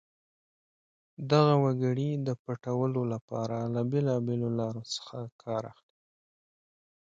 دغه وګړي د پټولو لپاره له بېلابېلو لارو څخه کار اخلي.